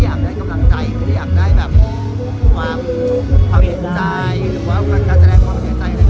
จริงงั้นถ้าจบแล้วก็ทำไปได้